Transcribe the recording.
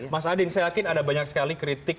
mas adin saya yakin ada banyak sekali kritik